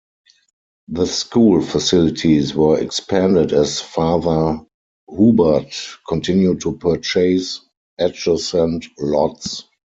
The school facilities were expanded as Father Hubert continued to purchase adjacent lots.